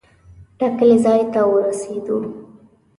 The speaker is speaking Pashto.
ټاکلي ځای ته ورسېدو.